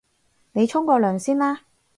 你沖個涼先啦